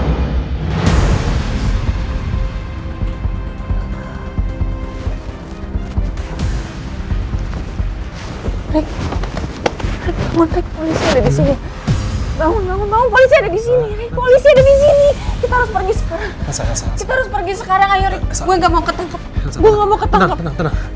kita harus pergi sekarang kita harus pergi sekarang ayo rick gue gak mau ketangkap gue gak mau ketangkap